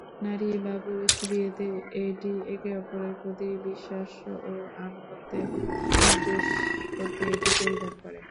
নারী বা পুরুষ বিয়েতে এটি একে অপরের প্রতি বিশ্বাস ও আনুগত্যের নির্দেশ করতে এটি পরিধান করে।